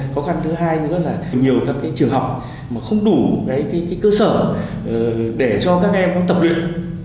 khó khăn thứ hai nữa là nhiều các trường học mà không đủ cơ sở để cho các em tập luyện